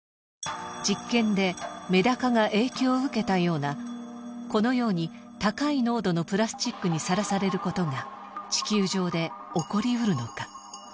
実験でメダカが影響を受けたようなこのように高い濃度のプラスチックにさらされることが地球上で起こりうるのか。